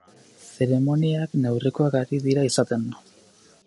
Zeremoniak neurrikoak ari dira izaten.